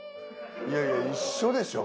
いやいや一緒でしょ。